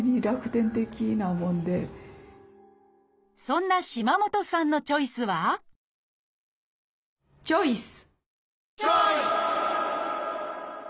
そんな島本さんのチョイスはチョイス！